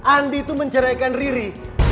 andi tuh menceraikan riri